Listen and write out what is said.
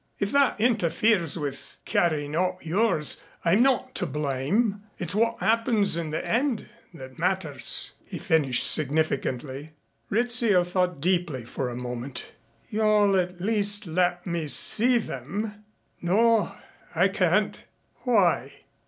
If that interferes with carrying out yours, I'm not to blame. It's what happens in the end that matters," he finished significantly. Rizzio thought deeply for a moment. "You'll at least let me see them?" "No, I can't." "Why?"